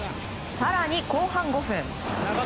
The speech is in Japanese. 更に後半５分。